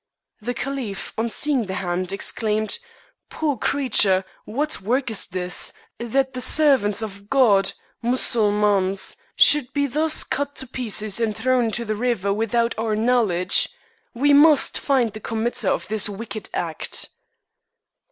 The caliph, on seeing the hand, exclaimed, " Poor creature, what work is this, that the servants of God (Mussulmans) should be thus cut to pieces and thrown into the river without our knowledge? We must find the committer of this wicked act."